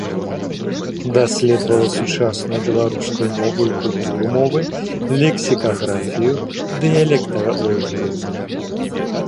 Даследавала сучасную беларускую мову і культуру мовы, лексікаграфію, дыялекталогію.